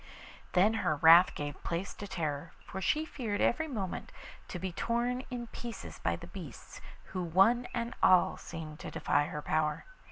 Then her wrath gave place to terror, for she feared every moment to be torn in pieces by the beasts who one and all seemed to defy her power.